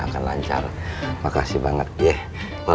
akan lancar makasih banget yeh